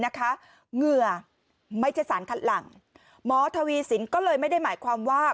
เหงื่อไม่ใช่สารคัดหลังหมอทวีสินก็เลยไม่ได้หมายความว่า